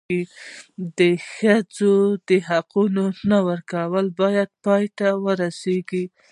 د ښځو د حقونو نه ورکول باید پای ته ورسېږي.